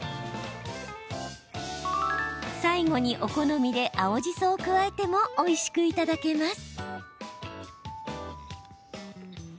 最後にお好みで青じそを加えてもおいしくいただけます。